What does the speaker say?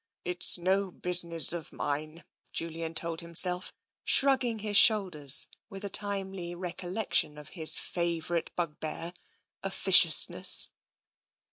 " It is no business of mine," Jul! in told himself, shrugging his shoulders with a timely recollection of his favourite bugbear, officiousness.